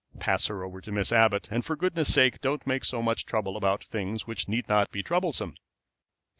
"Pass her over to Miss Abbott. And for goodness' sake don't make so much trouble about things which need not be troublesome."